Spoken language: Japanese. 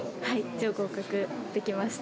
一応合格できました。